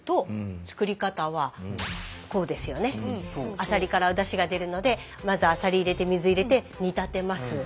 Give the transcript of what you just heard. アサリからおだしが出るのでまずアサリ入れて水入れて煮立てます。